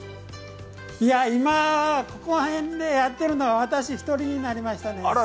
いや、今、ここら辺でやってるのは私１人になりました。